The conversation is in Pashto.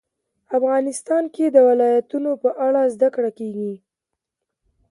افغانستان کې د ولایتونو په اړه زده کړه کېږي.